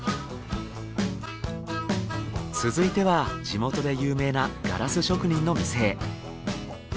続いては地元で有名なガラス職人の店へ。